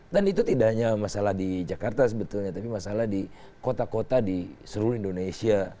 dan itu tidak hanya masalah di jakarta sebetulnya tapi masalah di kota kota di seluruh indonesia